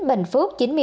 bình phước chín mươi bảy